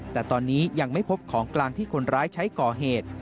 แต่ตอนนี้ยังไม่พบของกลางที่คนร้ายใช้ก่อเหตุ